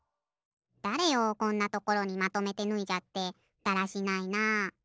だれよこんなところにまとめてぬいじゃってだらしないな。